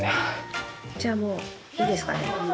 じゃあもういいですかね。